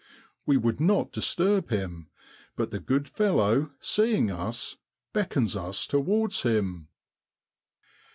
We would not disturb him, but the good fellow seeing us, beckons us towards him.